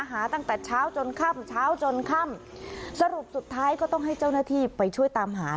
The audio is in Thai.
หาตั้งแต่เช้าจนค่ำเช้าจนค่ำสรุปสุดท้ายก็ต้องให้เจ้าหน้าที่ไปช่วยตามหา